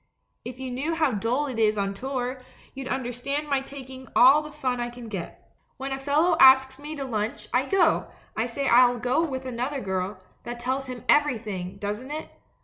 If you knew how dull it is on tour, you'd under stand my taking all the fun I can get. When a A LETTER TO THE DUCHESS 19S fellow asks me to lunch, I go; I say I'll go with another girl — that tells him everything, doesn't it?